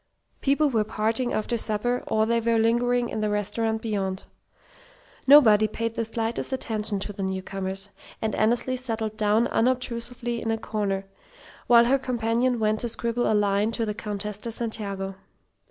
People were parting after supper; or they were lingering in the restaurant beyond. Nobody paid the slightest attention to the newcomers, and Annesley settled down unobtrusively in a corner, while her companion went to scribble a line to the Countess de Santiago.